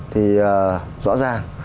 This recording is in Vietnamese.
thì rõ ràng